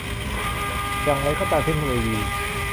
อย่างไรก็ตามเทคโนโลยี